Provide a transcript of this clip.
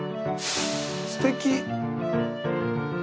すてき。